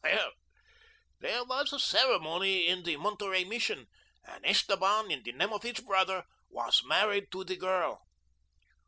Well, there was a ceremony in the Monterey Mission, and Esteban, in the name of his brother, was married to the girl.